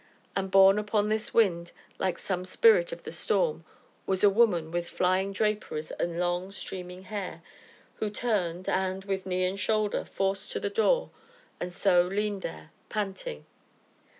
And, borne upon this wind, like some spirit of the storm, was a woman with flying draperies and long, streaming hair, who turned, and, with knee and shoulder, forced to the door, and so leaned there, panting.